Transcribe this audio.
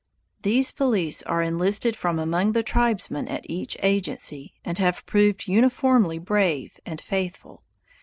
These police are enlisted from among the tribesmen at each agency, and have proved uniformly brave and faithful.